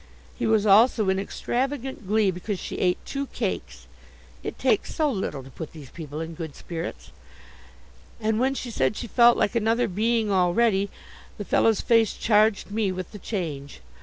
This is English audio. He was also in extravagant glee because she ate two cakes (it takes so little to put these people in good spirits), and when she said she felt like another being already, the fellow's face charged me with the change.